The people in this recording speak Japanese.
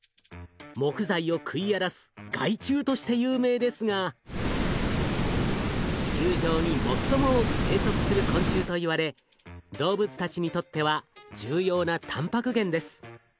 木材を食い荒らす害虫として有名ですが地球上に最も多く生息する昆虫といわれ動物たちにとっては重要なたんぱく源です。